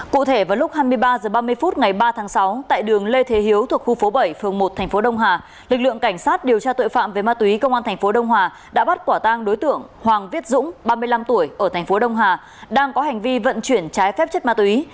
cụ thể vào lúc hai mươi ba h ba mươi phút ngày ba tháng sáu tại đường lê thế hiếu thuộc khu phố bảy phường một thành phố đông hà lực lượng cảnh sát điều tra tội phạm về ma túy công an thành phố đông hòa đã bắt quả tang đối tượng hoàng viết dũng ba mươi năm tuổi ở thành phố đông hà đang có hành vi vận chuyển trái phép chất ma túy